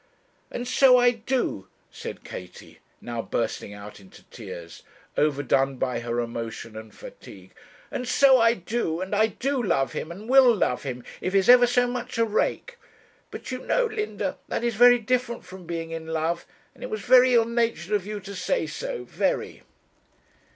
'And so I do,' said Katie, now bursting out into tears, overdone by her emotion and fatigue; 'and so I do and I do love him, and will love him, if he's ever so much a rake! But you know, Linda, that is very different from being in love; and it was very ill natured of you to say so, very.'